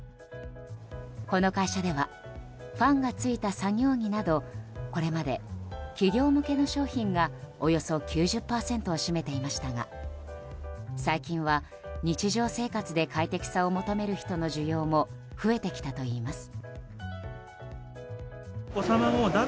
この会社ではファンが付いた作業着などこれまで、企業向けの商品がおよそ９０％を占めていましたが最近は日常生活で快適さを求める人の需要も増えてきたといいます。